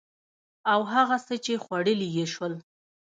او هغه څه چې خوړلي يې شول